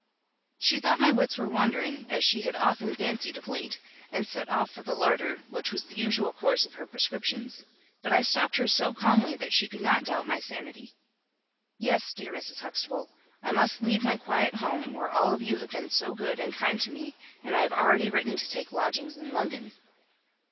She thought my wits were wandering, as she had often fancied of late, and set off for the larder, which was the usual course of her prescriptions. But I stopped her so calmly that she could not doubt my sanity. "Yes, dear Mrs. Huxtable, I must leave my quiet home, where all of you have been so good and kind to me; and I have already written to take lodgings in London."